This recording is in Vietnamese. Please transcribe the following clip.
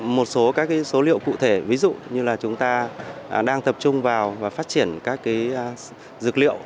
một số các số liệu cụ thể ví dụ như là chúng ta đang tập trung vào và phát triển các dược liệu